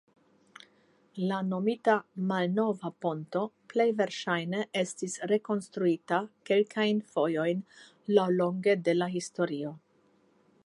La nomita "malnova ponto" plej verŝajne estis rekonstruita kelkajn fojojn laŭlonge de la historio.